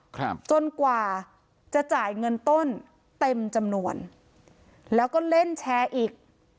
ครับจนกว่าจะจ่ายเงินต้นเต็มจำนวนแล้วก็เล่นแชร์อีก